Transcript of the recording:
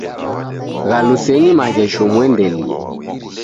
Ghalusenyi maghesho muendelie